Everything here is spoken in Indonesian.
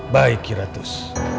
baik kira tuh